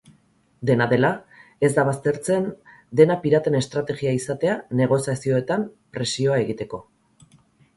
Dena dela, ez da baztertzen dena piraten estrategia izatea negoziazioetan presioa egiteko.